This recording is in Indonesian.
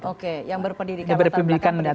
oke yang berpendidikan latar belakang